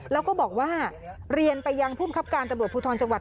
แล้วก็บอกว่าเรียนไปยังภูมิคับการตำรวจภูทรจังหวัด